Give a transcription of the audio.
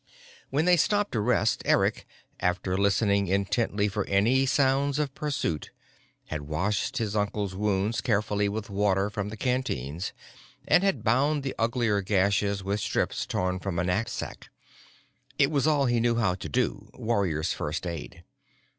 When they stopped to rest, Eric after listening intently for any sounds of pursuit had washed his uncle's wounds carefully with water from the canteens and had bound the uglier gashes with strips torn from a knapsack. It was all he knew how to do: warrior's first aid.